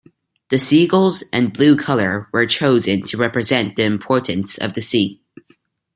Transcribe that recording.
The seagulls and blue color were chosen to represent the importance of the sea.